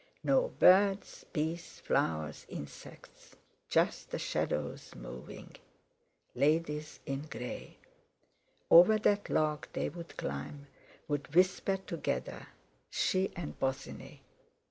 No birds, beasts, flowers, insects; Just the shadows —moving; "Ladies in grey!" Over that log they would climb; would whisper together. She and Bosinney!